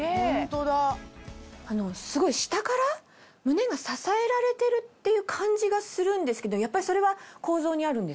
すごい下から胸が支えられてるっていう感じがするんですけどやっぱりそれは構造にあるんですか？